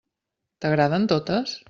T'agraden totes?